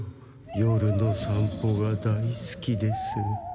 夜の散歩が大すきです。